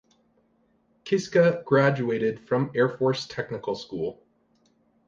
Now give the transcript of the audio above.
Kiska graduated from Air Force Technical School.